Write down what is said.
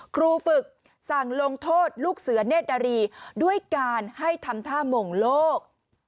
ครูฝึกสั่งลงโทษลูกเสือเนธนารีด้วยการให้ทำท่าหม่งโลก